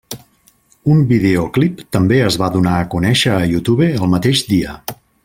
Un videoclip també es va donar a conèixer a YouTube el mateix dia.